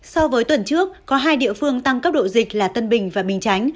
so với tuần trước có hai địa phương tăng cấp độ dịch là tân bình và bình chánh